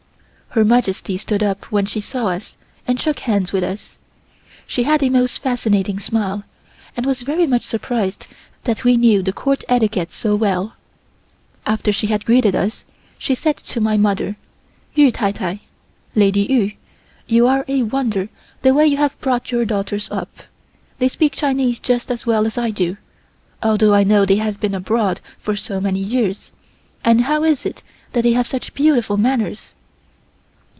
Her Majesty stood up when she saw us and shook hands with us. She had a most fascinating smile and was very much surprised that we knew the Court etiquette so well. After she had greeted us, she said to my mother: "Yu tai tai (Lady Yu), you are a wonder the way you have brought your daughters up. They speak Chinese just as well as I do, although I know they have been abroad for so many years, and how is it that they have such beautiful manners?"